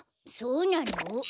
そうなの？